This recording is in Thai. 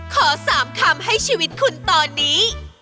ขอ๓คำให้ชีวิตคุณตอนนี้